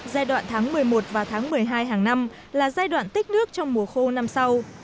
giai đoạn tháng một mươi một và tháng một mươi hai hàng năm là giai đoạn tích nước trong mùa khô năm sau